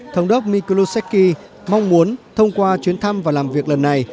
thống đốc microshki mong muốn thông qua chuyến thăm và làm việc lần này